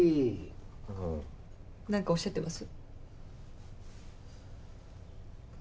なんかおっしゃってます？